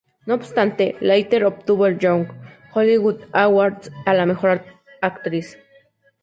No obstante, Larter obtuvo el Young Hollywood Awards a la Mejor Actriz.